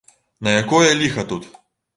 На якое ліха тут?